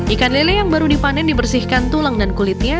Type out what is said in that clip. ikan lele yang baru dipanen dibersihkan tulang dan kulitnya